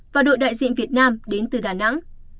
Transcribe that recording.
và đội đại diện việt nam đến từ đà nẵng